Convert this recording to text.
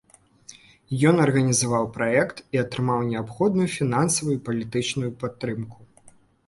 Ён арганізаваў праект і атрымаў неабходную фінансавую і палітычную падтрымку.